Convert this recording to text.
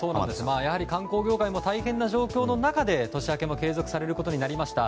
やはり観光業界も大変な状況の中で年明けも継続されることになりました。